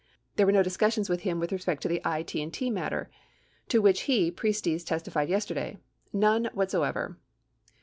There were no discussions with him with respect to the I.T. & T. matter, to which he (Priestes) testified yesterday. None whatsoever."